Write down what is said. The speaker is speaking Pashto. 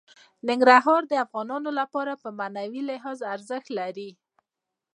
ننګرهار د افغانانو لپاره په معنوي لحاظ ارزښت لري.